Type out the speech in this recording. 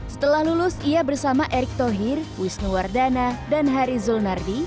setelah lulus ia bersama erick thohir wisnu wardana dan hari zulnardi